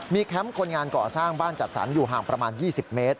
แคมป์คนงานก่อสร้างบ้านจัดสรรอยู่ห่างประมาณ๒๐เมตร